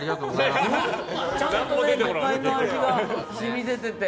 ちゃんと魚介の味が染み出ていて。